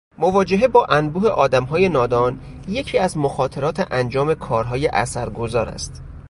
مواجهه با انبوه آدمهای نادان، یکی از مخاطرات انجام کارهای اثرگذار است